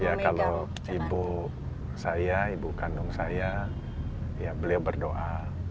ya kalau ibu saya ibu kandung saya ya beliau berdoa